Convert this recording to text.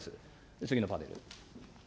次のパネル。